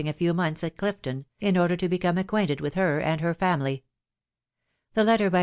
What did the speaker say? a few months at Clifton, in order to become, acquainted. wi& he» Mid; her family.. The testes by?